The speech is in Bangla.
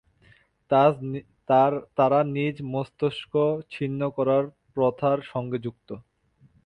তারা নিজ মস্তক ছিন্ন করার প্রথার সঙ্গে যুক্ত।